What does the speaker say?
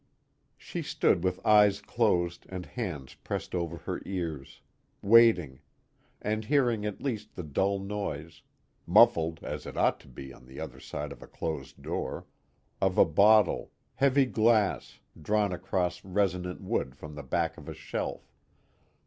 She stood with eyes closed and hands pressed over her ears. Waiting; and hearing at least the dull noise muffled, as it ought to be on the other side of a closed door of a bottle, heavy glass, drawn across resonant wood from the back of a shelf.